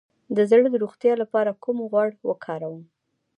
د زړه د روغتیا لپاره کوم غوړ وکاروم؟